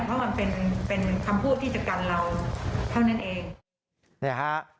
เพราะมันเป็นคำพูดที่จะกันเราเท่านั้นเอง